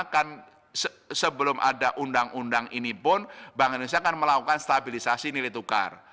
kan sebelum ada undang undang ini pun bank indonesia akan melakukan stabilisasi nilai tukar